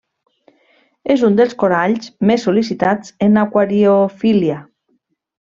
És un dels coralls més sol·licitats en aquariofília.